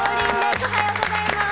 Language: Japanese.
おはようございます！